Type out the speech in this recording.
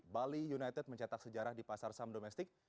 bali united mencetak sejarah di pasar saham domestik